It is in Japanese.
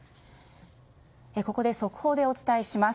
ここで速報でお伝えします。